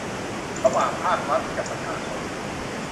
ระหว่างภาครัฐกับประชาชน